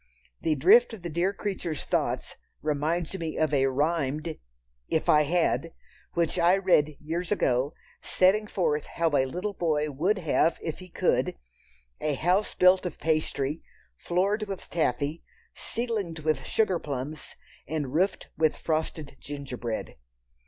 The drift of the dear creatures' thoughts reminds me of a rhymed—"If I had!" which I read years ago, setting forth how a little boy would have if he could, a house built of pastry, floored with taffy, ceiled with sugar plums, and roofed with frosted gingerbread.